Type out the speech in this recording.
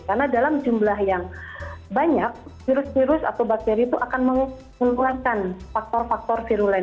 karena dalam jumlah yang banyak virus virus atau bakteri itu akan mengeluarkan faktor faktor virus